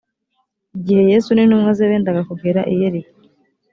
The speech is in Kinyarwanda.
igihe yesu n intumwa ze bendaga kugera i yeriko